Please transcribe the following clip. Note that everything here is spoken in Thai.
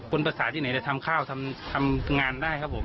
คุณภาษาที่ไหนจะทำข้าวทำงานได้ครับผม